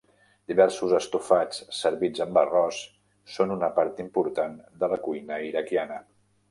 Diversos estofats servits amb arròs són una part important de la cuina iraquiana.